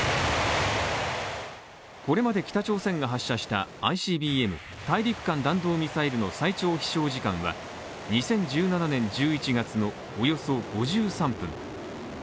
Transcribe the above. これまで北朝鮮が発射したＩＣＢＭ＝大陸間弾道ミサイルの最長飛しょう時間は２０１７年１１月のおよそ５３分。